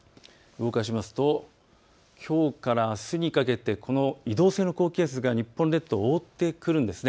動かしますときょうからあすにかけて移動性の高気圧が日本列島を覆ってくるんです。